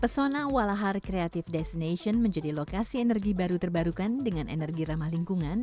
pesona walahar creative destination menjadi lokasi energi baru terbarukan dengan energi ramah lingkungan